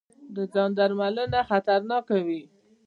د ځاندرملنه خطرناکه وي.